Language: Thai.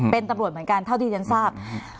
เป็นตำรวจเหมือนกันเท่าที่ฉันทราบ